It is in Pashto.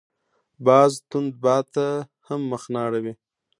باز تند باد ته هم مخ نه اړوي